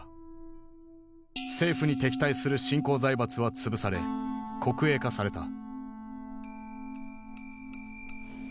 政府に敵対する新興財閥は潰され国営化された。